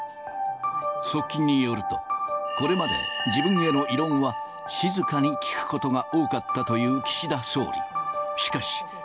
側近によると、これまで自分への異論は静かに聞くことが多かったという岸田総理。